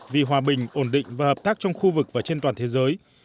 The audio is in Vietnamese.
vì hòa bình ổn định và hợp tác trong khu vực và trên toàn thế giới